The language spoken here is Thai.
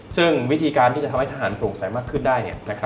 ซึ่งวิธีการที่จะทำให้ทหารโปร่งใสมากขึ้นได้